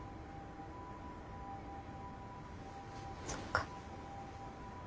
そっか。